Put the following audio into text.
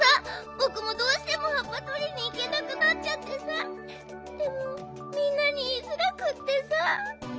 ぼくもどうしてもはっぱとりにいけなくなっちゃってさでもみんなにいいづらくってさ。